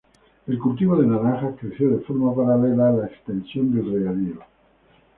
El cultivo de naranjas creció de forma paralela a la extensión del regadío.